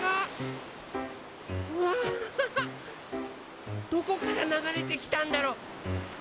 うわどこからながれてきたんだろう？